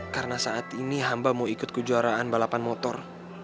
karena saat ini hamba mau ikut kejuaraan balapan motor